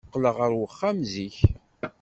Qqleɣ ɣer uxxam zik.